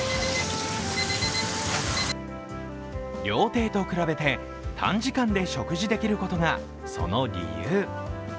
料亭と比べて短時間で食事できることがその理由。